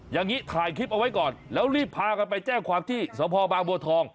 อย่างนี้ถ่ายคลิปเอาไว้ก่อนแล้วรีบพากันไปแจ้งความที่สพบางบัวทอง